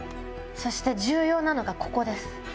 そして重要なのがここです。